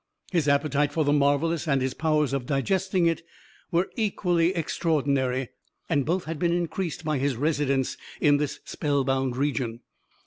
His appetite for the marvelous, and his powers of digesting it, were equally extraordinary; and both had been increased by his residence in this spell bound region.